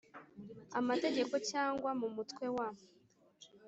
Amategeko cyangwa mu Mutwe wa